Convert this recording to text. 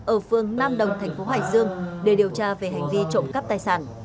ở phương nam đồng thành phố hải dương để điều tra về hành vi trộm cắp tài sản